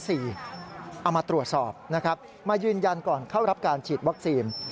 เอามาตรวจสอบนะครับมายืนยันก่อนเข้ารับการฉีดวัคซีน